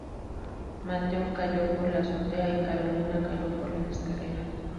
Mateo cayó por la azotea y Carolina cayó por las escaleras.